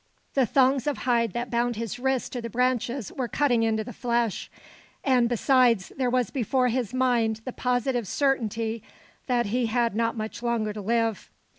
The thongs of hide that bound his wrists to the branches were cutting into the flesh, and besides, there was before his mind the positive certainty that he had not much longer to live.